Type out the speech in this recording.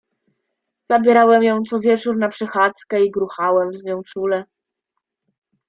"Zabierałem ją co wieczór na przechadzkę i gruchałem z nią czule."